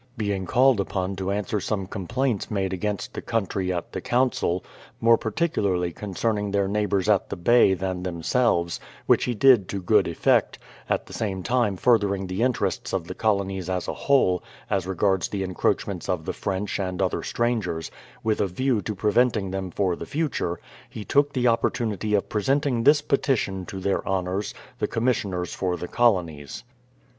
Being called upon to answer some complaints made against the country at the Council, more particularly concerning their neighbours at the Bay than themselves, which he did to good eft'ect, at the same time furthering the interests of the colonies as a whole, as re gards the encroachments of the French and other strangers, with a view to preventing them for the future, he took the opportunity of presenting this petition to their Honours, the Commissioners for the Colonies.